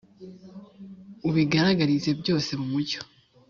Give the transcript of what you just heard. Ubigaragarize byose mu mucyo.